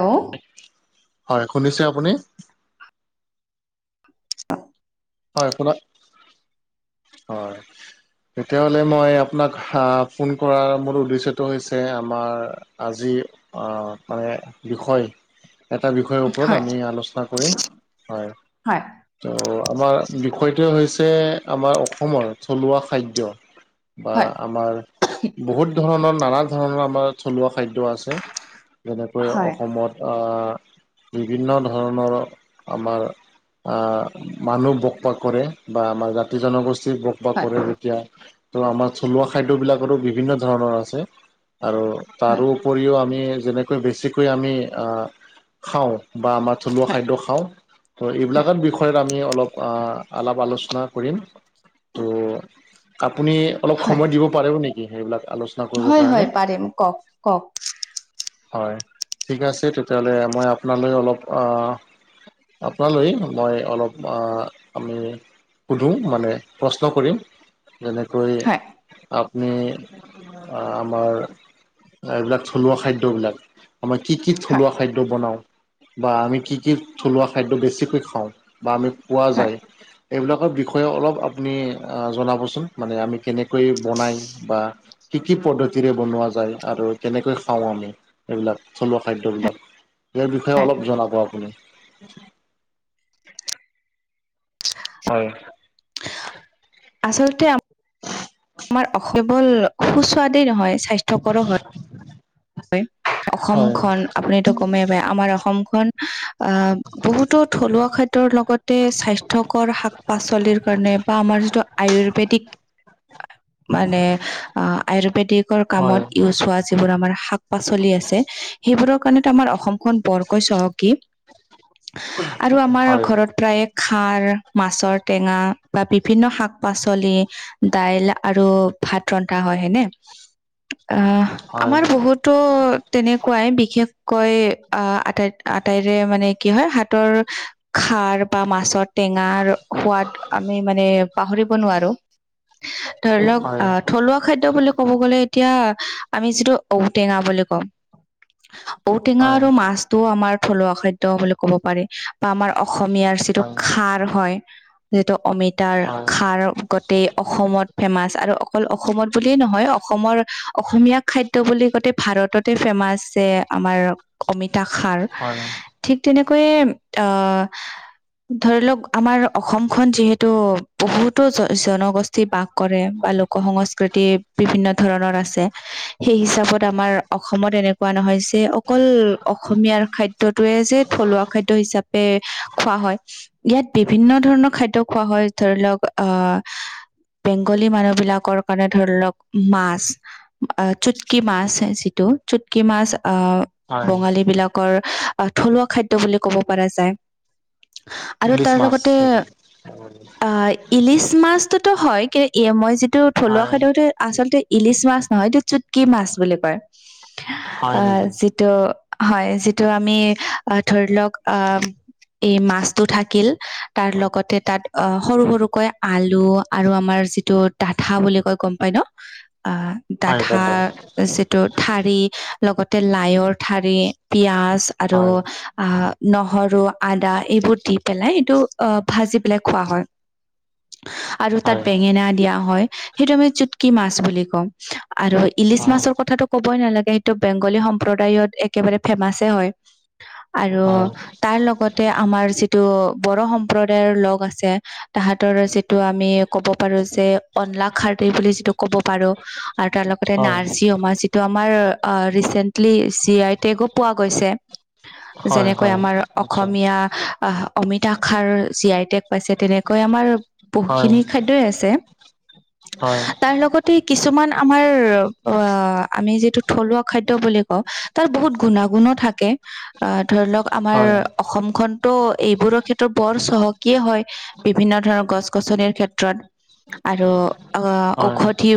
ল্ল হয়, শুনিছে আপুনি? [inaudible] হয় কোন? হয়। তেতিয়াহ'লে মই আপোনাক আহ ফোন কৰাৰ মোৰ উদ্দেশ্যটো হৈছে আমাৰ - আজি মানে বিষয়- এটা বিষয়ৰ ওপৰত হয় আমি আলোচনা কৰিম। হয়, হয় ত' আমাৰ- বিষয়টোৱে হৈছে আমাৰ অসমৰ থলুৱা খাদ্য। বা হয় আমাৰ বহুত ধৰণৰ নানা ধৰণৰ আমাৰ- থলুৱা খাদ্য আছে। যেনেকৈ হয় হয় অসমত আহঁ- বিভিন্ন ধৰণৰ আমাৰ আহঁ মানুহ ব - সবাস কৰে বা আমাৰ জাতি জনগোষ্ঠীক বসবাস হয় কৰে। যেতিয়া- ত' আমাৰ থলুৱা খাদ্যবিলাকৰো বিভিন্ন ধৰণৰ আছে আৰু হয় তাৰো - উপৰিও আমি যেনেকৈ বেছিকৈ আমি খাওঁ। বা আমাৰ থলুৱা খাদ্য খাওঁ, ত' হয় এইবিলাকৰ বিষয়ত আমি অলপ- অলপ আলোচনা কৰিম। ত' আপুনি অলপ হয় সময় দিব পাৰিব নেকি সেইবিলাক আলোচনা কৰিবৰ কাৰণে? দিম কওঁক। কওঁক। হয়, ঠিক আছে তেতিয়াহ'লে। মই আপোনালৈ অলপ আঁহ- আপোনালৈ মই অলপ আমি সুধো মানে প্ৰশ্ন কৰিম, যেনেকৈ- হয় আপুনি আমাৰ এইবিলাক থলুৱা খাদ্য- খাদ্যবিলাক, আমাৰ কি কি হয় থলুৱা খাদ্য বনাওঁ। বা আমি কি কি থলুৱা খাদ্য বেছিকৈ খাওঁ বা আমি পোৱা হয় যায়। এইবিলাকৰ বিষয়ে অলপ আপুনি জনাবচোন মানে আমি কেনেকৈ বনাই বা- কি কি পদ্ধতিৰে বনোৱা যায় আৰু কেনেকৈ খাওঁ আমি। এইবিলাক থলুৱা খাদ্যবিলাক ইয়াৰ বিষয়ে অলপ জনাব আপুনি? হয়। আচলতে আমাৰ কেৱল সুস্বাতেই নহয়, স্বাস্থ্য- [unintelligible] হয় অসমখন আপুনিটো গমেই পাই আমাৰ অসমখন- আঁহ', - বহুতো থলুৱা খাদ্যৰ লগতে স্বাস্থ্যকৰ শাক- পাচলিৰ কাৰণে বা আমাৰ যিটো আয়ুৰ্বেদিক- [unintelligible] মানে আহ আয়ুৰ্বেদিকৰ হয় কামত ইউজ হোৱা যিবোৰ আমাৰ শাক- পাচলি আছে, সেইবোৰৰ কাৰণেটো আমাৰ অসমখন বৰকৈ চহকী। আৰু আমাৰ হয় ঘৰত প্ৰায়- খাৰ, মাছৰ টেঙা, বা বিভিন্ন শাক-পাচলি- দাইল আৰু ভাত ৰন্ধা হয় নে। আহ হয় আমাৰ বহুত- তো তেনেকুৱাই বিশেষকৈ আহ আটাই আটাইৰে মানে কি হয় হাতৰ- খাৰ বা মাছৰ টেঙাৰ সোৱাদ আমি মানে পাহৰিব নোৱাৰো। ধৰি লওঁক হয় আঁহ থলুৱা খাদ্য বুলি ক'ব গ'লে এতিয়া আমি যিটো- ঔটেঙা বুলি কওঁ। ঔটেঙা হয় আৰু মাছ- টো আমাৰ থলুৱা খাদ্য বুলি ক'ব পাৰি বা আমাৰ অসমীয়াৰ যিটো হয় খাৰ হয়। যিটো অমিতাৰ হয় খাৰ- অসমত ফেমাচ আৰু অকল অসমত বুলিয়েই নহয় অসমৰ অসমীয়া খাদ্য বুলি গোটেই ভাৰততে ফেমাচ যে আমাৰ অমিতা খাৰ হয় ঠিক তেনেকৈয়ে আহ ধৰি লওক আমাৰ অসমখন যিহেতু বহুতো জনগোষ্ঠী বাস কৰে বা লোক সংস্কৃতি বিভিন্ন ধৰণৰ আছে সেই হিচাপত আমাৰ অসমত এনেকুৱা নহয় যে অকল অসমীয়াৰ খাদ্যটোয়ে যে থলুৱা খাদ্য হিচাপে খোৱা হয়। ইয়াত বিভিন্ন ধৰণৰ খাদ্য খোৱা হয় ধৰি লওক আহ বেংগলী মানুহ বিলাকৰ কাৰণে ধৰি লওক মাছ চুটকি মাছ যিটো চুটকি মাছ অ হয় বঙালী বিলাক আহ থলুৱা খাদ্য বুলি ক'ব পৰা যায় আৰু ইলিছ তাৰ মাছ লগতে নেকি? আহ ইলিছ মাছটোতো হয় কি মই যিটো থলুৱা হয় খাদ্যতে আচলতে ইলিছ মাছ নহয় এইটো চুটকি মাছ বুলি কয় হয় আহ নেকি যিটো হয় যিটো আমি ধৰি লওক আহ এই মাছটো থাকিল তাৰ লগতে তাত অ সৰু সৰুকৈ আলু আৰু আমাৰ যি তটো দাঠা বুলি কয় গম পাই ন আ হয় ডাঠা কব যিটো ঠাৰি লগতে লাইৰ ঠাৰি পিয়াজ আৰু হয় আহ নহৰু আদা এইবোৰ দি পেলাই এইটো ভাজি পেলাই খোৱা হয় [unintelligible] আৰু তাত বেঙেনা দিয়া হয় সেইটো আমি চুটকি মাছ বুলি কওঁ আৰু ইলিছ হয় মাছৰ কথাটো ক'বই নালাগে সেইটো বেংগলী সম্প্ৰদায়ত একেবাৰে ফেমাছে হয় আৰু হয় তাৰ লগত আমাৰ যিটো বড়ো সম্প্ৰদায়ৰ লগ আছে তাহাঁতৰ যি টো আমি ক'ব পাৰো যে অনলা খাৰি বুলি যিটো ক'ব পাৰো আৰু তাৰ লগতে হয় নাৰ্জী অমা যিটো টো আমাৰ ৰিচেন্টলি চি আই টেগো পোৱা গৈছে হয় যেনেকৈ হয় আমাৰ আচ্ছা অসমীয়া আহ অমিতাখাৰ জি আই টেক পাইছে তেনেকৈ আমাৰ হয় বহুতখিনি খাদ্যই আছে হয় তাৰ লগত কিছুমান আমাৰ অ আমি যিটো থলুৱা খাদ্য বুলি কওঁ তাত বহুত গুণাগুণো থাকে। অ ধৰি লওক আমাৰ হয় অসমখনতো এইবোৰৰ ক্ষেত্ৰত বৰ চহকিয়ে হয়। বিভিন্ন ধৰণৰ গছ গছনিৰ ক্ষেত্ৰত আৰু অ হয় ঔষধি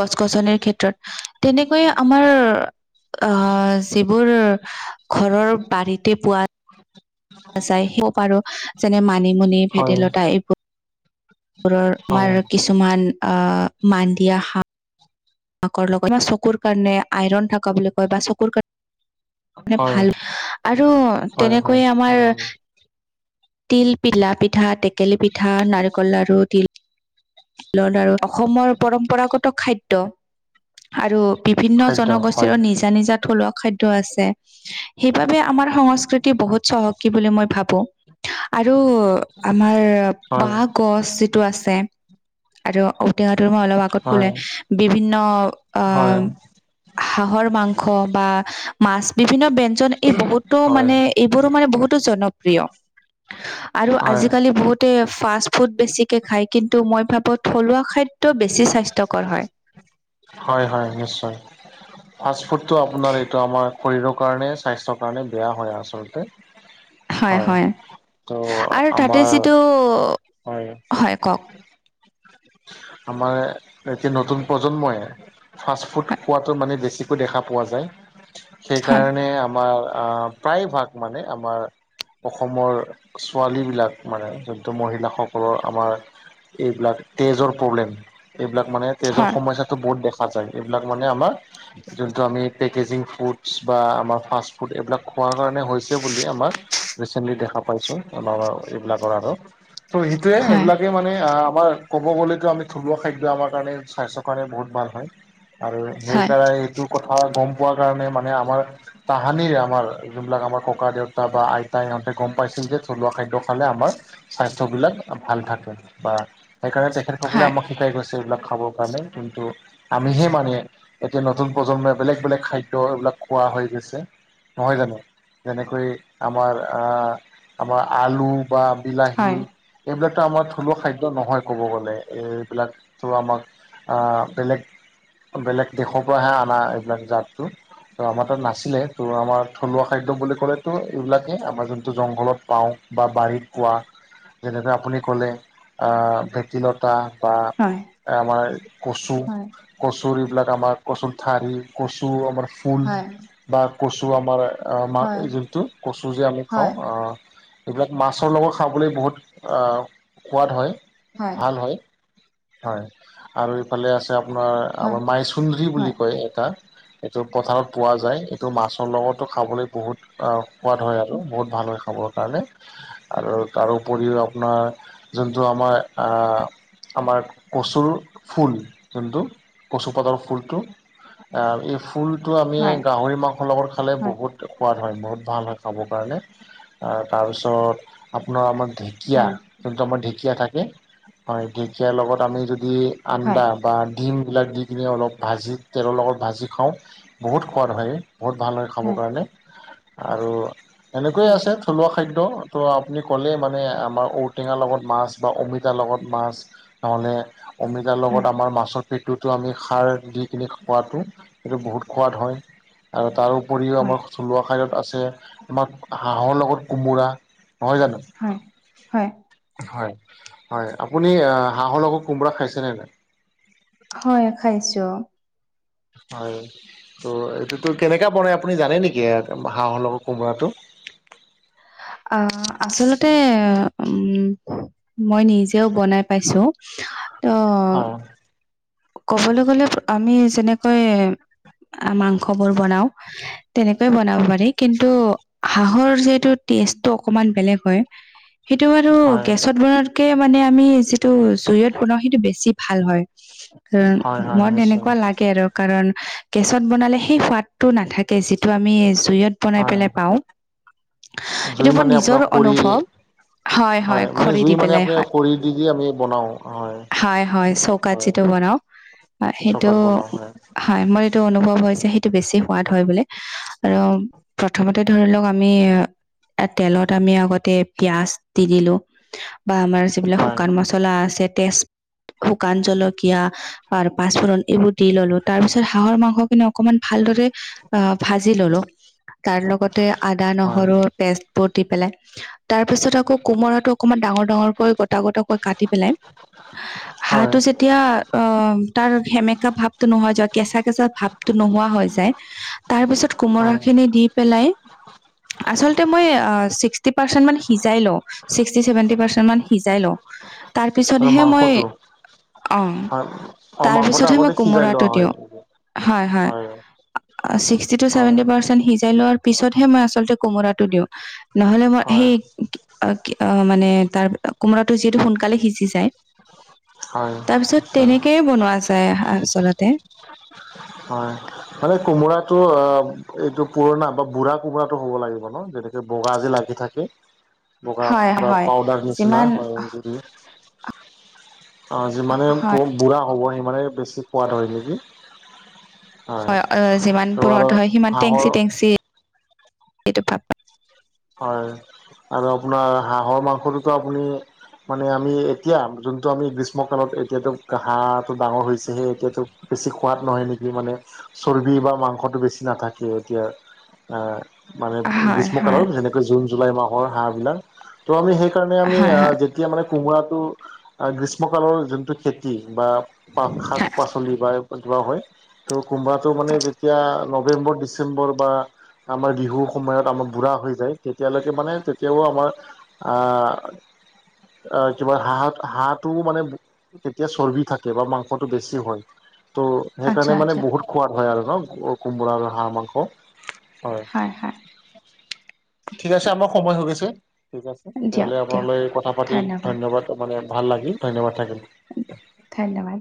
গছ গছনিৰ ক্ষেত্ৰত তেনেকৈয়ে আমাৰ আহ যিবোৰ ঘৰৰ বাৰীতে পোৱা যায় সেই পাৰো যেনে মানিমুনি হয় ভেদাইলতা এইবোৰ ৰ হয় আমাৰ কিছুমান আহ মান দিয়া হ মাকৰ লগত বা চকুৰ কাৰণে আইৰন থকা বুলি কয় বা চকুৰ কাৰণে মানে হয় ভাল আৰু হয় হয় তেনেকৈয়ে আমাৰ হয় তিল পলা পিঠা টেকেলি পিঠা নাৰিকল লাড়ু তিল আৰু অসমৰ পৰম্পৰাগত খাদ্য আৰু বিভিন্ন খাদ্য হয় জনগোষ্ঠীৰো নিজা নিজা থলুৱা খাদ্য আছে। সেইবাবে আমাৰ সংস্কৃতি বহুত চহকী বুলি মই ভাবোঁ। আৰু আমাৰ হয় বাঁহ গছ যিটো আছে আৰু েঙটোৰ মই অলপ আগত হয় কলে বিভিন্ন অ [inaudible] হয় হাঁহৰ মাংস বা মাছ বিভিন্ন ব জন এই বহুতো হয় হয় মানে এইবোৰো মানে বহুতো জনপ্ৰিয়। আৰু আজিকালি বহুত ফাষ্ট ফুড বেছিকে খায়, কিন্তু মই ভাবো থলুৱা খাদ্য বেছি স্বাস্থ্যকৰ হয়। হয় হয় নিশ্চয়। ফাষ্ট ফুডটো আপোনাৰ এইটো আমাৰ শৰীৰৰ কাৰণে স্বাস্থ্যৰ কাৰণে বেয়া হয় আচলতে। হয়। হয় হয় ত' আৰু তাতে আমাৰ যিটো হয় হয় কওক? আমাৰ এতিয়া নতুন প্ৰজন্মই ফাষ্ট ফুড হয় খোৱাটো মানে বেছিকৈ দেখা পোৱা যায়, হয় সেইকাৰণে আমাৰ প্ৰায় ভাগ মানে আমাৰ অসমৰ ছোৱালীবিলাক মানে যোনটো মহিলাসকলৰ আমাৰ এইবিলাক তেজৰ এইবিলাক মানে তেজৰ হয় সমস্যাটো বহুত দেখা যায় এইবিলাক মানে আমাৰ যোনটো আমি পেকেজিং ফুডছ বা আমাৰ ফাষ্ট ফুড এইবিলাক খোৱাৰ কাৰণে হৈছে বুলি আমাৰ ৰিচেণ্টলি দেখা পাইছো আম এইবিলাকৰ আৰু ত' সেইটোৱে হয় এইবিলাকে মানে আমাৰ ক'ব গ'লে আমি থলুৱা খাদ্য আমাৰ কাৰণে স্বাস্থ্যৰ কাৰণে বহুত ভাল হয় আৰু হয় সেইকাৰণে কথা গম কাৰণে মানে আমাৰ হানিৰে আমাৰ যোনবিলাক আমাৰ ককা - দেউতা বা আইতাই ইহঁতে গম পাইছিল যে থলুৱা খাদ্য খালে আমাৰ স্বাস্থ্য বিলাক ভাল থাকে বা সেইকাৰণে তেখেতসকলে হয় আমাক শিকাই গৈছে এইবিলাক খাব কাৰণে কিন্তু আমিহে মানে এতিয়া নতুন প্ৰজন্মই বেলেগ- বেলেগ খাদ্য এইবিলাক খোৱা হৈ গৈছে। নহয় জানো, যেনেকৈ আমাৰ- আমাৰ আলু বা বিলাহী হয় এইবিলাকতো আমাৰ থলুৱা খাদ্য নহয় ক'ব গ'লে। এইবিলাকতো আমাক বেলেগ বেলেগ দেশৰ পৰাহে অনা এইবিলাক জাতটো। ত' আমাৰ তাত নাছিলে ত' আমাৰ থলুৱা খাদ্য বুলি ক'লেতো এইবিলাকেই আমাৰ যোনটো জংঘলত পাওঁ। বা বাৰীত পোৱা যেনেকৈ আপুনি ক'লে ভেটিলতা বা হয়। এ' আমাৰ কচু হয় - কচুৰ এইবিলাক আমাৰ কচুৰ ঠাৰি কচু আমাৰ ফুল হয় বা কচু আমাৰ ম হয় যোনটো কচু যে আলি হয় খাওঁ। এইবিলাক মাছৰ লগত খাবলৈ বহুত সোৱাদ হয় ভাল হয়। হয় আৰু এইফালে আছে আপোনাৰ হয় আমাৰ মাইচুন্দ্ৰী হয় বুলি কয় এটা। এইটো বজাৰত পোৱা যায় এইটো মাছৰ লগতো খাবলৈ বহুত সোৱাদ হয় আৰু বহুত ভাল হয় খাবৰ কাৰণে। আৰু তাৰ উপৰিও আপোনাৰ যোনটো আমাৰ আমাৰ কচুৰ ফুল যোনটো কচুপাতৰ ফুলটো। এই ফুলটো আমি হয় হয় গাহৰি মাংসৰ লগত খালে হয় হয় হয় বহুত সোৱাদ হয় বহুত ভাল হয় খাবৰ কাৰণে তাৰপিছত আপোনাৰ আমাৰ ঢেকীয়া, যোনটো আমাৰ ঢেকীয়া থাকে হয়। ঢেকীয়াৰ লগত আমি যদি আনন্দা। হয় বা ডিমবিলাক দি কিনে অলপ ভাজি তেলৰ লগত ভাজি খাওঁ। বহুত সোৱাদ হয়, বহুত ভাল হয় খাব কাৰণে- আৰু এনেকৈয়ে আছে থলুৱা খা- খাদ্য, ত' আপুনি ক'লে মানে আমাৰ ঔঁ-টেঙাৰ লগত মাছ বা অমিতাৰ লগত মাছ নহ'লে অমিতাৰ লগত আমাৰ মাছত পেটোতো আমি খাৰ দি কিনি খোৱাটো সেইটো বহুত সোৱাদ হয় আৰু তাৰো উপৰিও হয় আমাৰ থলুৱা খাইদত আছে আমাৰ হাঁহৰ লগত কোমোৰা, নহয় জানো? হয়, হয়। হয়, হয় আপুনি হাঁহৰ লগত কোমোৰা খাইছে নে নাই? হয় খাইছো। হয়, ত' এইটো তো কেনেকা বনাই আপুনি জানে নেকি হাঁহৰ লগৰ কোমোৰাটো? আ আচলতে উম্ মই নিজেও বনাই পাইছো, ত' হয় ক'বলে গলে আমি যেনেকৈ মাংস বোৰ বনাও তেনেকৈ বনাব পাৰি কিন্তু হাঁহৰ যিটোত টেষ্টটো অকমান বেলেগ হয়, সেইটো বাৰু হয় গেছত বনাত- কে মানে আমি যিটো জুইয়ত বনাওঁ সেইটো বেছি ভাল হয়। হয় হয় মই নিশ্চয় তেনেকুৱা লাগে আৰু কাৰণ গেছত বনালে সেই সোৱাদটো নাথাকে যিটো আমি জুইয়ত বনাই হয় পেলাই পাওঁ। এইটো জুই মোৰ মানে নিজৰ আপোনাৰ অনুভৱ খৰি- হয় মানে খৰি দি জুই মানে পেলাই আপুনি হয়, খৰি দি-দি আমি বনাও, হয়। হয় হয় চৌকাত হয় যিটো বনাও, সেইটো চকাত বনোৱা হয় হয় মোৰ এইটো অনুভৱ হয় যে সেইটো বেছি সোৱাদ হয় বোলে। আৰু প্ৰথমতে ধৰি লওক আমি এ তেলত আমি আগতে পিয়াজ দি দিলো, বা আমাৰ যিবিলাক হয় শুকান মাছ চলা আছে তেছ, শুকান জলকীয়া আৰু পাঁচফোৰণ এইবোৰ দি ললো তাৰ পিছত হাঁহৰ মাংসখিনি অকমান ভালদৰে অ, ভাজি ললো। তাৰ লগতে আদা হয় নহৰুৰ পেষ্ট বোৰ দি পেলাই, তাৰ পিছত আকৌ কোমোৰাটো অকমান ডাঙৰ-ডাঙৰকৈ গটা-গটাকৈ কাটি পেলাই, হয় হাঁহটো যেত- তিয়া অ তাৰ সেমেকা ভাৱটো নহ যোৱা কেঁচা-কেঁচা ভাৱটো নহোৱা হৈ যায় [inaudible] তাৰ পিছত কোমোৰা হয় খিনি দি পেলাই, আচল ত' মই ছিক্সি পাৰ্চেন্ট মান সিজাই লও, ছিক্সি-চেভেণ্টি পাৰ্চেন্ট মান সিজাই ল‌ও। আৰু তাৰপিছতহে মই মাংসটো অঁ, হয় অ তাৰ মাংসটো পিছতহে মই আগতে সিজাই লোৱা কোমোৰাটো হয় দিওঁ। হয় হয়। ছিক্সটি টু হয় চেভেটি পাৰ্চেণ সিজাই লোৱাৰ পিছতহে মই আচলতে কোমোৰাটো দিওঁ, নহলে মই হয় সেই অ-কি অ মানে তাৰ কোমোৰাটো যিহেতু সোনকালে সিজি যায় হয় তাৰ পিছত নিশ্চয় তেনেকেই বনোৱা যায় আচলতে। হয়, মানে কোমোৰাটো অ- এইটো পুৰণা বা বুঢ়া কোমোৰাটো হ'ব লাগিব ন? যেনেকা বগা যে লাগি থাকে। বগা হয় বা হয় পাউদাৰ নিচিনা যিমান হয় গুৰি অ যিমানে বুঢ়া হ'ব সিমানে বেছি খোৱাদ হয় নেকি? হয় অ যিমান ত পূৰত আৰু হয় সিমান হাঁহৰ টেংচি-টেংচি- সেইটো ভাপ হয়, আৰু আপোনাৰ হাঁহৰ মাংসটোতো আপুনি মানে আমি এতিয়া যোনটো আমি গ্ৰীষ্মকালত এতিয়াতো হাঁহ-টো ডাঙৰ হৈছেহে এতিয়াতো বেছি সোৱাদ নহয় নেকি মানে চৰ্বি বা মাংসটো বেছি নাথাকে এতিয়া অ মানে হয় হয় গ্ৰীষ্মকালত যেনেকৈ জুন, জুলাই মাহৰ হাঁহবিলাক ত' আমি সেইকাৰণে আমি হয় হয় এতিয়া মানে কোমোৰাটো গ্ৰীষ্মকালৰ যোনটো খেতি বা হয় শাক হয়। পাচ চলি বা কিবা হয়, ত'কোনবাটো মানে যেতিয়া নৱেম্বৰ, ডিচেম্বৰ বা আমাৰ বিহুৰ সময়ত আমাৰ বুঢ়া হৈ যায়। তেতিয়ালৈকে মানে তেতিয়াও আমাৰ আ আহ কিবা হাঁহ হাঁহটো মানে তেতিয়া চৰ্বি থাকে বা মাংসটো বেছি হয়। ত' আচ্ছা সেইকাৰণে মানে আচ্ছা বহুত সোৱাদ হয় আৰু ন কোমোৰা আৰু হাঁহ মাংস হয় ৰাখা। ঠিক আছে আমাৰ সময় হৈ গৈছে ঠিক আছে দিয়ক তেতিয়াহলে দিয়ক আপোনালৈ কথা পাতি ধন্যবাদ ত মানে ভাল লাগিল ধন্যবাদ থাকিল ধন্যবাদ।